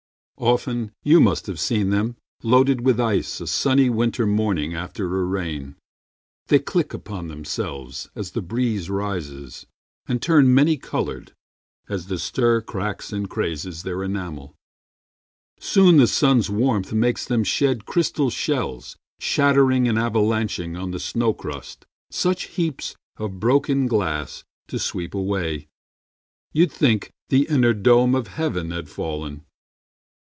Often you must have seen them Loaded with ice a sunny winter morning After a rain. They click upon themselves As the breeze rises, and turn many colored As the stir cracks and crazes their enamel. Soon the sun's warmth makes them shed crystal shells Shattering and avalanching on the snow crust Such heaps of broken glass to sweep away You'd think the inner dome of heaven had fallen.